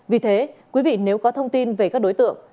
vì thế quý vị nếu có thông tin về các đối tượng